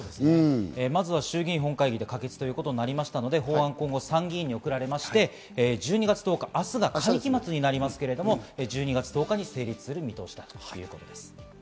まずは衆議院本会議で可決となりましたので、今後、参議院に送られまして、１２月１０日、明日会期末になりますけれども、１２月１０日に成立する見通しということです。